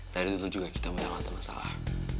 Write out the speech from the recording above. dari dulu juga kita mudah matang masalah